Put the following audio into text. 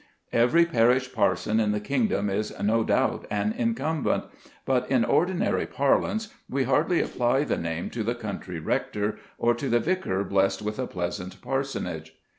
Every parish parson in the kingdom is no doubt an incumbent, but in ordinary parlance we hardly apply the name to the country rector or to the vicar blessed with a pleasant parsonage.